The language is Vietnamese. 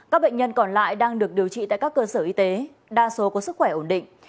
các bệnh nhân còn lại đang được điều trị tại các cơ sở y tế đa số có sức khỏe ổn định